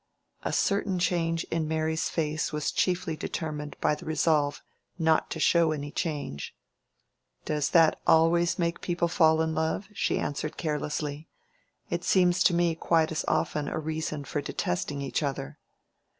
A certain change in Mary's face was chiefly determined by the resolve not to show any change. "Does that always make people fall in love?" she answered, carelessly; "it seems to me quite as often a reason for detesting each other."